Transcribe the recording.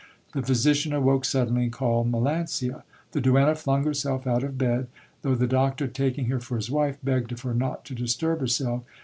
The physician awoke suddenly, and called Melancia. The duenna flung herself out of bed, though the doctor/taking her for his wife, begged of her not to disturb herself.